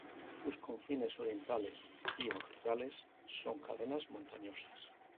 Sus confines orientales y australes son cadenas montañosas.